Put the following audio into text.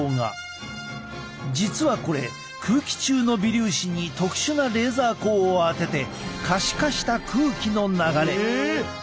実はこれ空気中の微粒子に特殊なレーザー光をあてて可視化した空気の流れ。